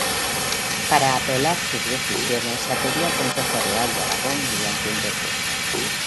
Para apelar sus decisiones se acudía al Consejo Real de Aragón mediante un recurso.